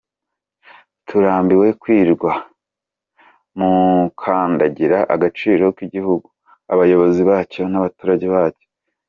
Turambiwe kwirwa mukandagira agaciro k’igihugu , abayobozi bacyo n’abaturage bacyo.